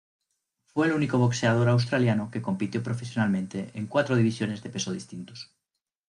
Fue el único boxeador australiano que compitió profesionalmente en cuatro divisiones de peso distintos.